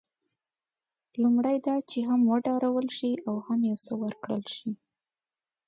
لومړی دا چې هم وډارول شي او هم یو څه ورکړل شي.